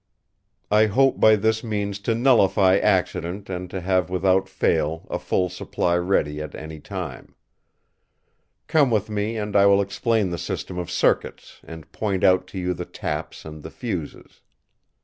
I hope by this means to nullify accident and to have without fail a full supply ready at any time. Come with me and I will explain the system of circuits, and point out to you the taps and the fuses."